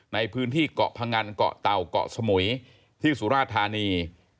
ในพื้นที่เกาะพงันเกาะเต่าเกาะสมุยที่สุราธานี